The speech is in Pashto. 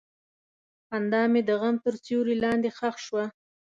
خندا مې د غم تر سیوري لاندې ښخ شوه.